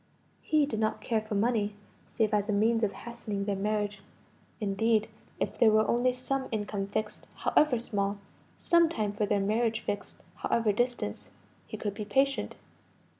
He did not care for money, save as a means of hastening their marriage; indeed, if there were only some income fixed, however small some time for their marriage fixed, however distant he could be patient.